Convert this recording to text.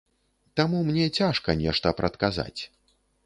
Таму мне цяжка нешта прадказаць.